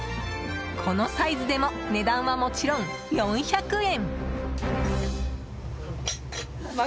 このサイズでも値段はもちろん、４００円。